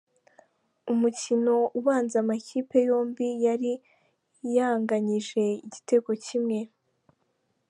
Umukino ubanza amakipe yombi yari yanganyije igitego kimwe.